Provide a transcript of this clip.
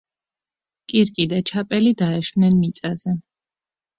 კირკი და ჩაპელი დაეშვნენ მიწაზე.